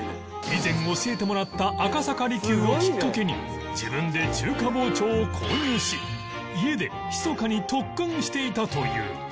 以前教えてもらった赤坂璃宮をきっかけに自分で中華包丁を購入し家でひそかに特訓していたという